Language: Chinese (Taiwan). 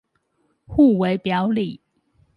互為表裡